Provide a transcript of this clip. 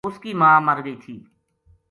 اس کی ماں مر گئی تھی